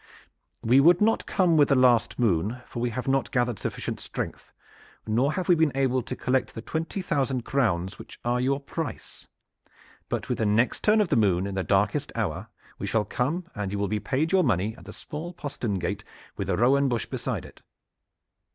'We could not come with the last moon, for we have not gathered sufficient strength, nor have we been able to collect the twenty thousand crowns which are your price. But with the next turn of the moon in the darkest hour we will come and you will be paid your money at the small postern gate with the rowan bush beside it.'